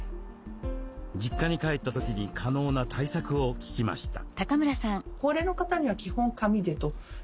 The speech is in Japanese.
実家に帰った時に可能な対策を聞きました。